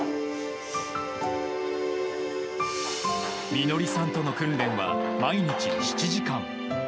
美乃りさんとの訓練は毎日７時間。